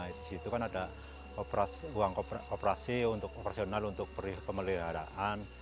di situ kan ada ruang operasi untuk operasional untuk pemeliharaan